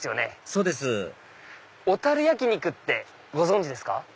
そうです小樽焼肉ってご存じですか？